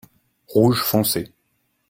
Rouge foncé.